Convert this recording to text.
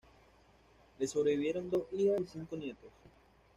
Le sobrevivieron dos hijas y cinco nietos.